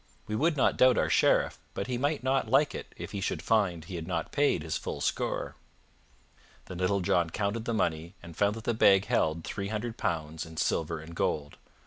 We would not doubt our Sheriff, but he might not like it if he should find he had not paid his full score." Then Little John counted the money and found that the bag held three hundred pounds in silver and gold.